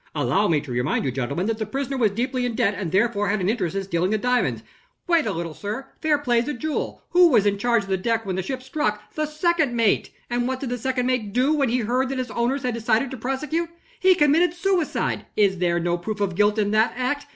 "Allow me to remind you, gentlemen that the prisoner was deeply in debt, and therefore had an interest in stealing the diamonds." "Wait a little, sir. Fair play's a jewel. Who was in charge of the deck when the ship struck? The second mate. And what did the second mate do, when he heard that his owners had decided to prosecute? He committed suicide! Is there no proof of guilt in that act?"